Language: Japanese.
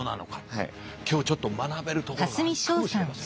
今日ちょっと学べるところがあるかもしれません。